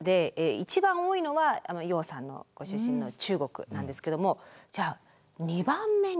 一番多いのは楊さんのご出身の中国なんですけどもじゃあ２番目に。